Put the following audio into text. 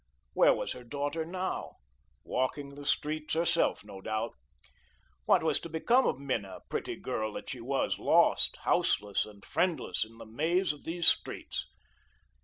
Where was her daughter now? Walking the streets herself, no doubt. What was to become of Minna, pretty girl that she was, lost, houseless and friendless in the maze of these streets?